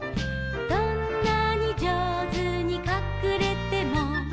「どんなに上手にかくれても」